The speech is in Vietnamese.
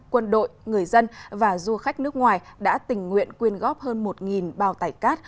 quân đội người dân và du khách nước ngoài đã tình nguyện quyên góp hơn một bao tải cát